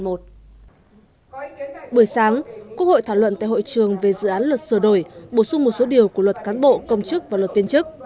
bữa sáng quốc hội thảo luận tại hội trường về dự án luật sửa đổi bổ sung một số điều của luật cán bộ công chức và luật viên chức